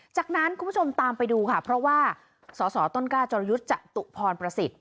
จากนั้นคุณผู้ชมตามไปดูค่ะเพราะว่าสสต้นกล้าจรยุทธ์จตุพรประสิทธิ